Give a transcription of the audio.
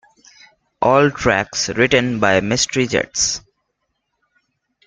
All tracks written by Mystery Jets.